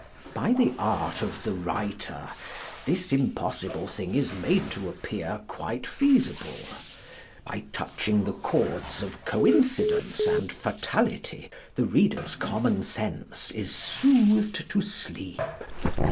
By the art of the writer this impossible thing is made to appear quite feasible; by touching the chords of coincidence and fatality, the reader's common sense is soothed to sleep.